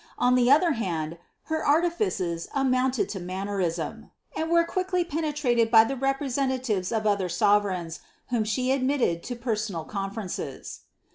On the other hand, her artifices amounted to mannerism, and vere quickly penetrated by the representatives of other sovereigns whom she adroiiled to personal conferences.